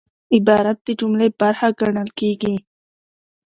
عبارت د جملې برخه ګڼل کېږي.